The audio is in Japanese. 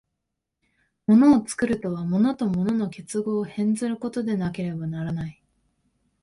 物を作るとは、物と物との結合を変ずることでなければならない。